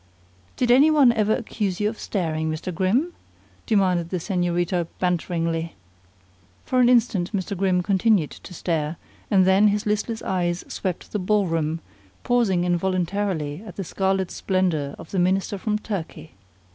"Did any one ever accuse you of staring, Mr. Grimm?" demanded the señorita banteringly. For an instant Mr. Grimm continued to stare, and then his listless eyes swept the ball room, pausing involuntarily at the scarlet splendor of the minister from Turkey.